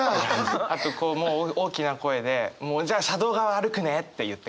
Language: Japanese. あとこうもう大きな声で「もうじゃあ車道側歩くね！」って言って。